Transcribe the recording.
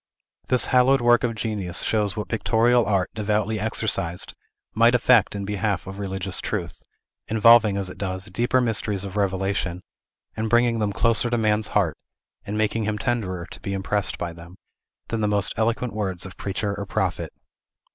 This hallowed work of genius shows what pictorial art, devoutly exercised, might effect in behalf of religious truth; involving, as it does, deeper mysteries of revelation, and bringing them closer to man's heart, and making him tenderer to be impressed by them, than the most eloquent words of preacher or prophet.